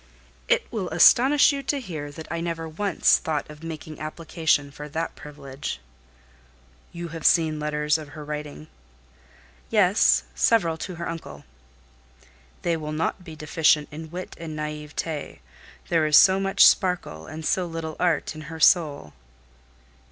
"It will astonish you to hear that I never once thought of making application for that privilege." "You have seen letters of her writing?" "Yes; several to her uncle." "They will not be deficient in wit and naïveté; there is so much sparkle, and so little art in her soul?"